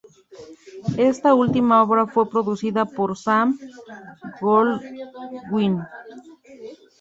Esta última obra fue producida por Sam Goldwyn.